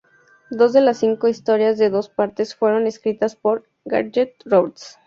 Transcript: Dos de las cinco historias de dos partes fueron escritas por Gareth Roberts.